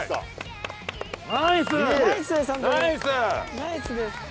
ナイスです。